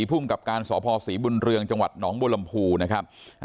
ภูมิกับการสพศรีบุญเรืองจังหวัดหนองบัวลำพูนะครับ